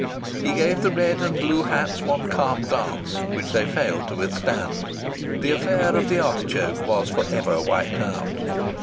He gave the red and the blue hats one calm glance, which they failed to withstand. The affair of the artichoke was for ever wiped out.